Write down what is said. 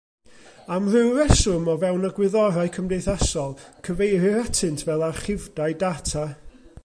Am ryw reswm, o fewn y gwyddorau cymdeithasol, cyfeirir atynt fel archifdai data.